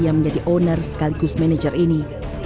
yang menjadi owner sekaligus manajer ini